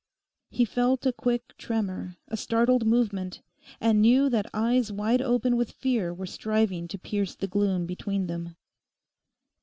He felt a quick tremor, a startled movement, and knew that eyes wide open with fear were striving to pierce the gloom between them.